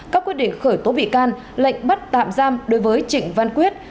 các quyết định khởi tố bị can lệnh bắt tạm giam đối với trịnh văn quyết